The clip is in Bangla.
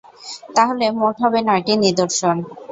তাহলে মোট হবে নয়টি নিদর্শন।